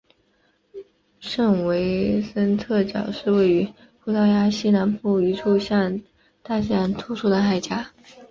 圣维森特角是位于葡萄牙西南部一处向大西洋突出的海岬。